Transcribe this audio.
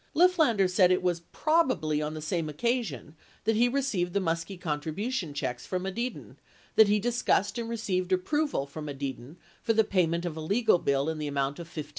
Lifflander said it was "probably" on the same occasion that he re ceived the Muskie contribution checks from Edidin, that he discussed and received approval from Edidin for the payment of a legal bill m the amount of $1,500.